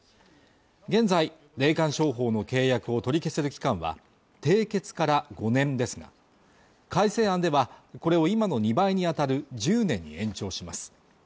現在霊感商法の契約を取り消せる期間は締結から５年ですが改正案ではこれを今の２倍にあたる１０年に延長します